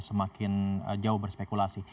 semakin jauh berspekulasi